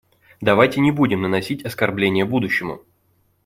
Давайте не будем наносить оскорбления будущему.